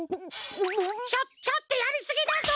ちょちょっとやりすぎだぞ！